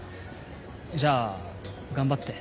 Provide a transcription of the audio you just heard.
じゃあ頑張って。